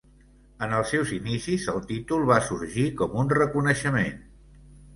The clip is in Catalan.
En els seus inicis, el títol va sorgir com un reconeixement.